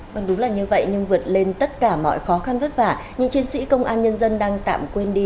vâng đúng là như vậy nhưng vượt lên tất cả mọi khó khăn vất vả nhưng chiến sĩ công an nhân dân đang tạm quên đi